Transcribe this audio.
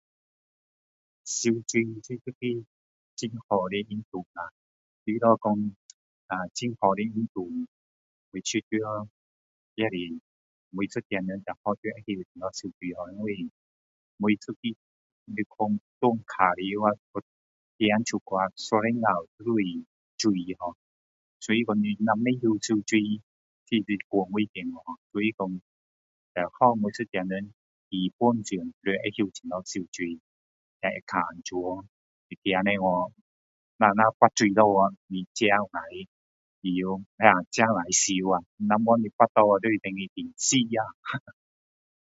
游水是一个很好的运动啊，除了讲很好的运动，我觉得也是每一个人较好要会怎样游水，因为每一个地方哪玩耍啊走出去有时候都是水的[har],所以讲你【na】不会游水是太危险了，所以讲最好是每个人基本上都要会怎样游水，会较安全，走出去我们掉水下去你自己可以游在江里游，没你掉下去就是等于等死啊